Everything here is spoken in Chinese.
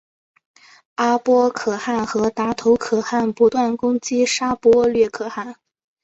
阿波可汗和达头可汗不断攻击沙钵略可汗。